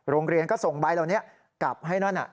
โรงเรียนก็ส่งใบเหล่านี้กลับให้นั่น